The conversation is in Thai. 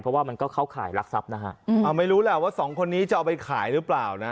เพราะว่ามันก็เข้าข่ายรักทรัพย์นะฮะไม่รู้แหละว่าสองคนนี้จะเอาไปขายหรือเปล่านะ